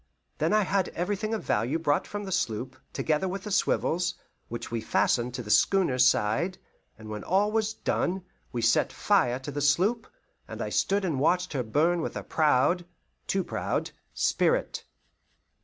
Then I had everything of value brought from the sloop, together with the swivels, which we fastened to the schooner's side; and when all was done, we set fire to the sloop, and I stood and watched her burn with a proud too proud spirit.